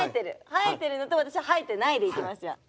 生えてるのと私は生えてないでいきますじゃあ。